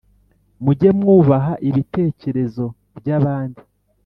muge mwubaha ibitekerezo by’abandi,